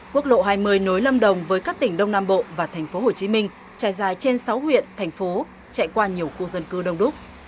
quốc lộ hai mươi nối lâm đồng với các tỉnh đông nam bộ và thành phố hồ chí minh trải dài trên sáu huyện thành phố chạy qua nhiều khu dân cư đông đúc